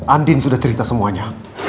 andien sudah cerita semuanya